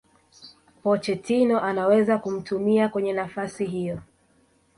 Pochettino anaweza kumtumia kwenye nafasi hiyo